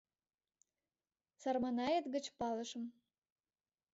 — Сарманает гыч палышым.